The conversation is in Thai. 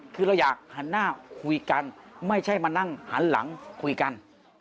คือเราอยากหันหน้าคุยกันไม่ใช่มานั่งหันหลังคุยกัน